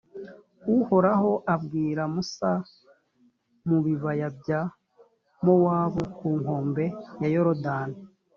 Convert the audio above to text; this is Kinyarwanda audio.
uhoraho abwirira musa mu bibaya bya mowabu ku nkombe ya yorudani